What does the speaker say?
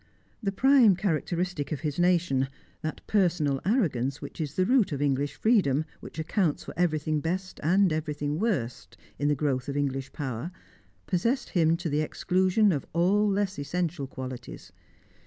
The prime characteristic of his nation, that personal arrogance which is the root of English freedom, which accounts for everything best, and everything worst, in the growth of English power, possessed him to the exclusion of all less essential qualities.